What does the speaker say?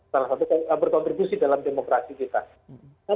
salah satu berkontribusi dalam demokrasi kita